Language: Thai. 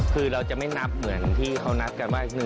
คือเราจะไม่นับเหมือนที่เขานัดกันว่า